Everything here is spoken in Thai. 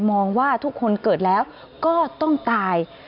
มองว่าทุกคนเกิดแล้วก็ต้องตาย